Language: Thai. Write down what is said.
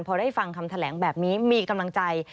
พอได้ฟังคำแถลงแบบนี้มีกำลังใจ